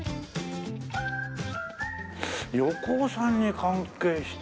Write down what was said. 横尾さんに関係した。